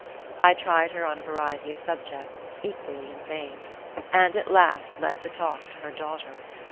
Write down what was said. I tried her on a variety of subjects, equally in vain; and at last led the talk to her daughter.